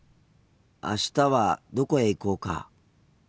あしたはどこへ行こうか？